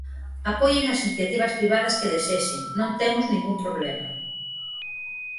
Apoien as iniciativas privadas que desexen, non temos ningún problema.